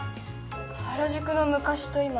原宿の昔と今。